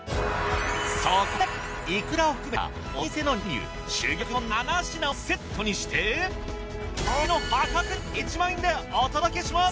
そこでいくらを含めたお店の人気メニュー珠玉の７品をセットにして衝撃の破格値１万円でお届けします。